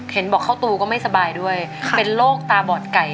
เห็นบอกเข้าตูก็ไม่สบายด้วยเป็นโรคตาบอดไก่